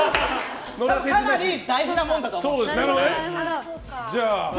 かなり大事なものだとは思うんです。